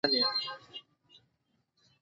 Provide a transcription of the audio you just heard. ورته يې وويل څومره ظلم انسان يې.